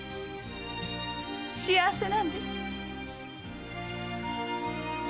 幸せなんです。